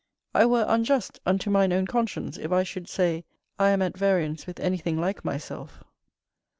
I were unjust unto mine own conscience if I should say I am at variance with anything like myself.